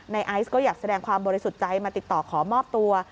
ไอซ์ก็อยากแสดงความบริสุทธิ์ใจมาติดต่อขอมอบตัว